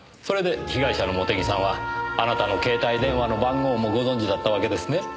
それで被害者の茂手木さんはあなたの携帯電話の番号もご存じだったわけですね。